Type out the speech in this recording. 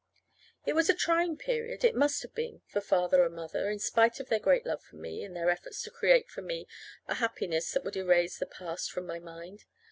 It was a trying period it must have been for Father and Mother, in spite of their great love for me, and their efforts to create for me a happiness that would erase the past from my mind.